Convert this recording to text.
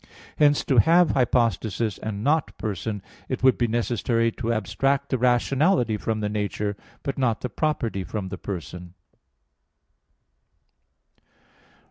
Hence, to have hypostasis and not person, it would be necessary to abstract the rationality from the nature, but not the property from the person.